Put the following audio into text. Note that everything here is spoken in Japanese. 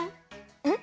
うん？